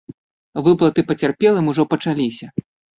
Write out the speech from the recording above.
Выплаты пацярпелым ужо пачаліся.